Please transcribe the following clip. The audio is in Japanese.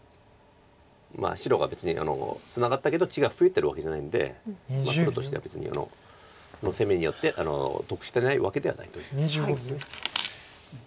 白が別にツナがったけど地が増えてるわけじゃないんで黒としては別にこの攻めによって得してないわけではないということです。